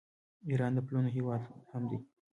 ایران د پلونو هیواد هم دی.